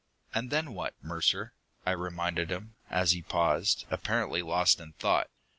"And then what, Mercer?" I reminded him, as he paused, apparently lost in thought.